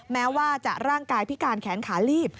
แม้ว่าจะร่างกายพิการแขนขาลีบ